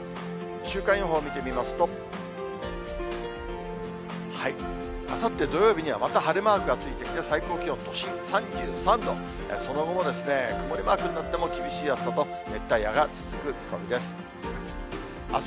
週間予報を見てみますと、あさって土曜日には、また晴れマークがついてきて、最高気温、都心３３度、その後も曇りマークになっても、厳しい暑さと熱帯夜が続く見込みです。